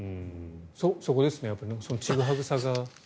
そこですねそのちぐはぐさが。